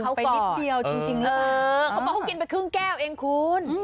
เขามาพูดกินไปครึ่งแก้วเองคุณ